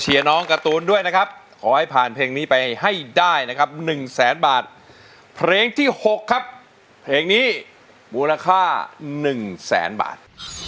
น้องการ์ตูนด้วยนะครับขอให้ผ่านเพลงนี้ไปให้ได้นะครับ๑แสนบาทเพลงที่๖ครับเพลงนี้มูลค่า๑แสนบาท